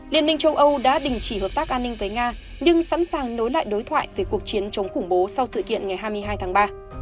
liên minh châu âu đã đình chỉ hợp tác an ninh với nga nhưng sẵn sàng nối lại đối thoại về cuộc chiến chống khủng bố sau sự kiện ngày hai mươi hai tháng ba